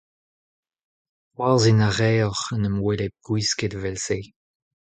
C'hoarzhin a rae oc'h en em welet gwisket evel-se.